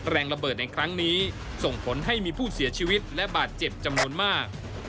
แรงระเบิดในครั้งนี้ส่งผลให้มีผู้เสียชีวิตและบาดเจ็บจำนวนมาก